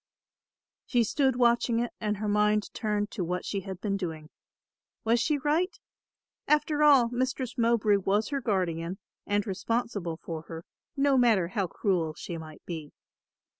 She stood watching it and her mind turned to what she had been doing. Was she right? After all Mistress Mowbray was her guardian and responsible for her, no matter how cruel she might be.